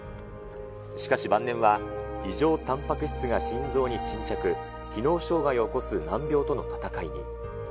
しかし晩年は、異常たんぱく質が心臓に沈着、機能障害を起こす難病との闘いに。